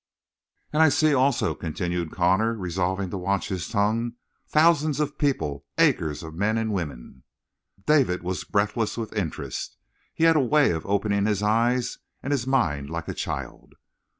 "And I see also," continued Connor, resolving to watch his tongue, "thousands of people, acres of men and women." David was breathless with interest. He had a way of opening his eyes and his mind like a child.